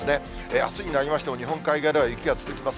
あすになりましても、日本海側では雪が続きます。